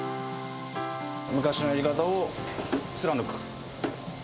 昔のやり方を貫く。